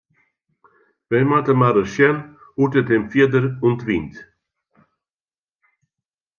Wy moatte mar ris sjen hoe't it him fierder ûntwynt.